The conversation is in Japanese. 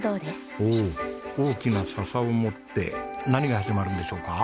おお大きな笹を持って何が始まるんでしょうか？